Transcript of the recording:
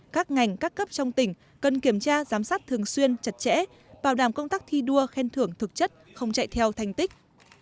các ngành các cấp trong tỉnh cần kiểm tra giám sát thường xuyên chặt chẽ bảo đảm công tác thi đua khen thưởng thực chất không chạy theo thành tích